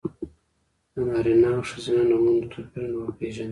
د نارینه او ښځینه نومونو توپیرونه وپېژنئ!